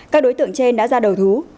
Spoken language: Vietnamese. các đối tượng trên đã ra đầu thú